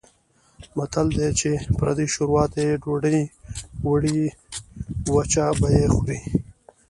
متل دی: چې پردۍ شوروا ته یې ډوډۍ وړوې وچه به یې خورې.